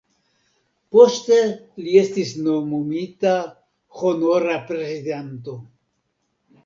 Poste li estis nomumita Honora Prezidanto.